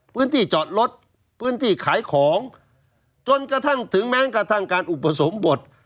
พื้นที่จอดรถพื้นที่ขายของจนกระทั่งถึงแม้กระทั่งการอุปสมบท